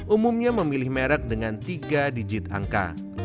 umumnya memilih merek dengan tiga digit angka